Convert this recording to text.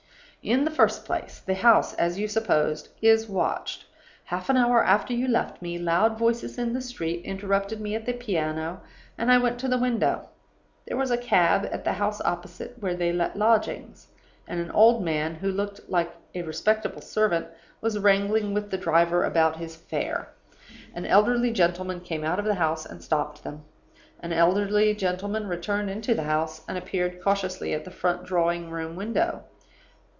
"In the first place, the house (as you supposed) is watched. "Half an hour after you left me, loud voices in the street interrupted me at the piano, and I went to the window. There was a cab at the house opposite, where they let lodgings; and an old man, who looked like a respectable servant, was wrangling with the driver about his fare. An elderly gentleman came out of the house, and stopped them. An elderly gentleman returned into the house, and appeared cautiously at the front drawing room window.